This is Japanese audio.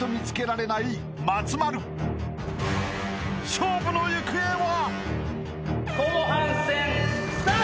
［勝負の行方は！？］